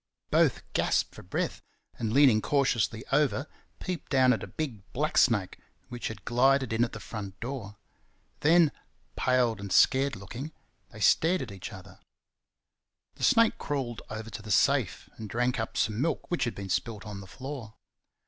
Both gasped for breath, and leaning cautiously over peeped down at a big black snake which had glided in at the front door. Then, pale and scared looking, they stared across at each other. The snake crawled over to the safe and drank up some milk which had been spilt on the floor.